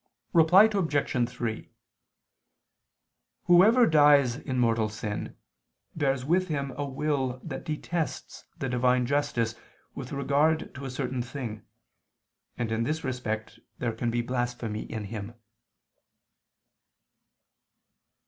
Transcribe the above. Reply Obj. 3: Whoever dies in mortal sin, bears with him a will that detests the Divine justice with regard to a certain thing, and in this respect there can be blasphemy in him.